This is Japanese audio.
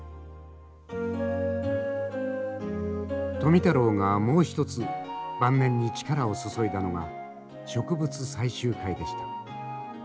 富太郎がもう一つ晩年に力を注いだのが植物採集会でした。